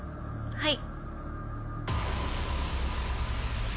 はい。